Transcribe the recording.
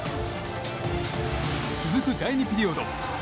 続く第２ピリオド。